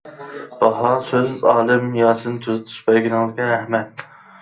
باھا سۆز ئالىم ياسىن تۈزىتىش بەرگىنىڭىزگە رەھمەت.